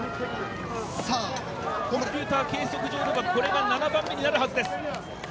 コンピューター計測上ではこれが７番目になるはずです。